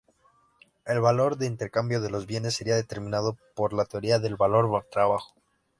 El valor de intercambio de los bienes sería determinado por la teoría del valor-trabajo.